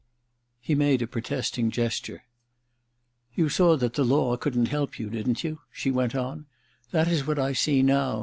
* He made a protesting gesture. * You saw that the law couldn't help you — didn't you ?' she went on. * That is what I see now.